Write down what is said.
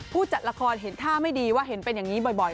ผู้จัดละครเห็นท่าไม่ดีว่าเห็นเป็นอย่างนี้บ่อย